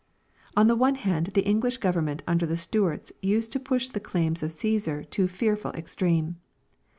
On the one hand the English government under the Stuarts used to push the claims of " Caesar" to a fearful extreme.